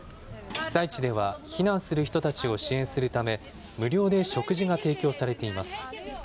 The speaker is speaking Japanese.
被災地では避難する人たちを支援するため、無料で食事が提供されています。